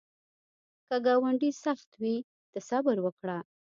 که ګاونډی سخت وي، ته صبر وکړه